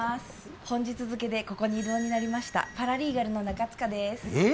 本日付でここに異動になりましたパラリーガルの中塚ですえっ？